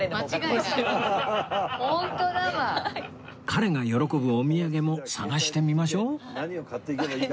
彼が喜ぶお土産も探してみましょう